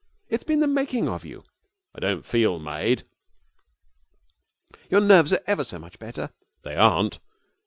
It has been the making of you.' 'I don't feel made.' 'Your nerves are ever so much better.' 'They aren't.'